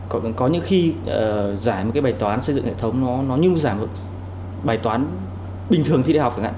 còn có những khi giải một cái bài toán xây dựng hệ thống nó như giảm một bài toán bình thường thi đại học chẳng hạn